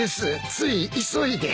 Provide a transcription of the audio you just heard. つい急いで。